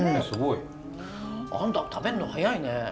すごい。あんた食べんの速いね。